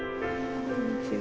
こんにちは。